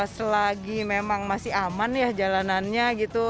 selagi memang masih aman ya jalanannya gitu